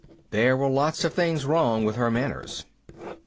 There were lots of things wrong with her manners.